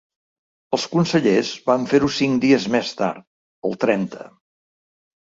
Els consellers van fer-ho cinc dies més tard, el trenta.